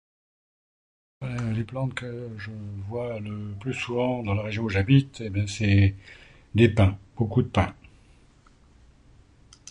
Les plantes que je vois le plus souvent dans la région où j'habite, eh bien c'est les pins, beaucoup de pins.